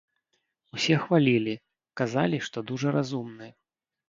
Усе хвалілі, казалі, што дужа разумны.